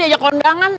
aja aja kondangan